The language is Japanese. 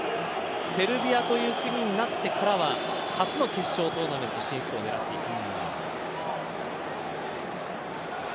セルビアという国になってからは初の決勝トーナメント進出を狙っています。